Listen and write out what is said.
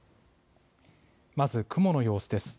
まず雲の様子です。